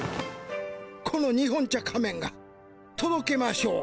この日本茶仮面が「とどけましょう。